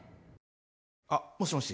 あっもしもし。